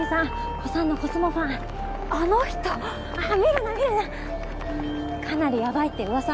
古参のコスモファンあの人が見るな見るなかなりやばいってうわさ